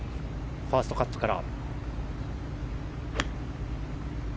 ファーストカットから。